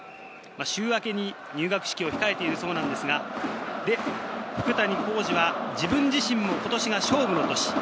週明けに入学式を控えているそうですが、福谷浩司は自分自身も今年が勝負の年。